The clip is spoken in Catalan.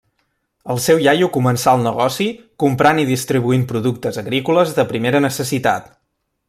El seu iaio començà el negoci comprant i distribuint productes agrícoles de primera necessitat.